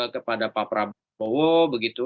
kepada pak prabowo begitu